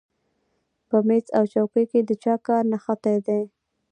په مېز او څوکۍ کې د چا کار نغښتی دی